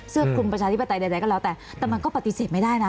คลุมประชาธิปไตยใดก็แล้วแต่แต่มันก็ปฏิเสธไม่ได้นะ